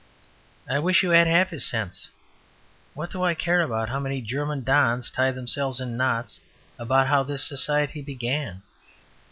I wish you had half his sense. What do I care how many German dons tie themselves in knots about how this society began?